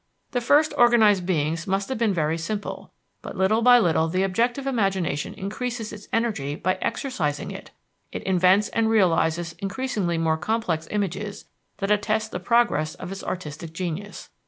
The first organized beings must have been very simple; but little by little the objective imagination increases its energy by exercising it; it invents and realizes increasingly more complex images that attest the progress of its artistic genius.